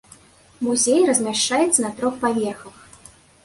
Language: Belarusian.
Музей размяшчаецца на трох паверхах.